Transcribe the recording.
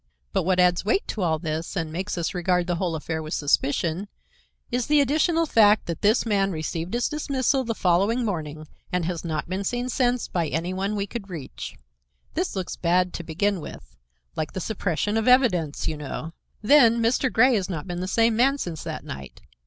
But what adds weight to all this and makes us regard the whole affair with suspicion, is the additional fact that this man received his dismissal the following morning and has not been seen since by any one we could reach. This looks bad to begin with, like the suppression of evidence, you know. Then Mr. Grey has not been the same man since that night.